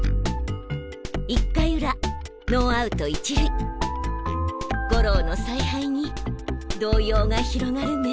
１回裏ノーアウト１塁吾郎の采配に動揺が広がる明